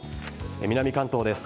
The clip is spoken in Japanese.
南関東です。